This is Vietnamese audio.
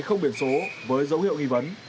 không biển số với dấu hiệu nghi vấn